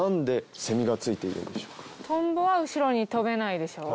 トンボは後ろに飛べないでしょう？